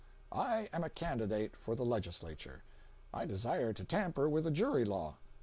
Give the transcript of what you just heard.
I am a candidate for the legislature. I desire to tamper with the jury law.